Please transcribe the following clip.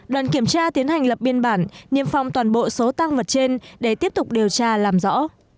đoàn kiểm tra tiến hành lập biên bản niêm phong toàn bộ số tăng vật trên để tiếp tục điều tra làm rõ